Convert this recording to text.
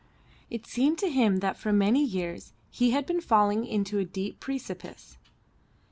It seemed to him that for many years he had been falling into a deep precipice.